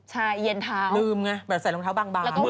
ใช่เย็นเท้าลืมไงแบบใส่รองเท้าบาง